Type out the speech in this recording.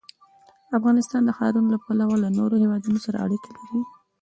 افغانستان د ښارونه له پلوه له نورو هېوادونو سره اړیکې لري.